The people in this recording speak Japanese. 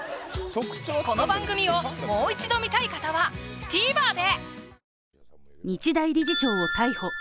この番組をもう一度観たい方はＴＶｅｒで！